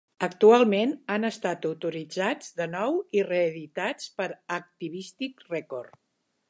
Actualment han estat autoritzats de nou i reeditats per Atavistic Records.